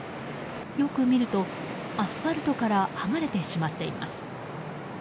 よく見ると、アスファルトから剥がれてしまっています。